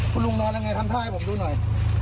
คุณลุงนอนยังไงทำท่าให้ผมดูหน่อย